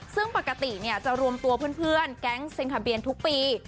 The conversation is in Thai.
ซึ่งปกติจะรวมตัวเพื่อนแก๊งเซ็นคาเบียนทุกปี